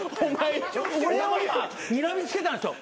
俺を今にらみ付けたんですよ。